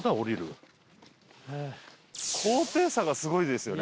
高低差がすごいですよね。